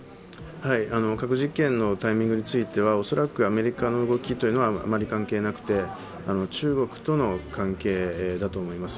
核実験のタイミングについては恐らくアメリカの動きはあまり関係なくて中国との関係だと思います。